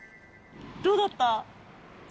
どうだった？